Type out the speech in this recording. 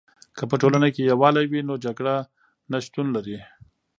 که په ټولنه کې یوالی وي، نو جګړه نه شتون لري.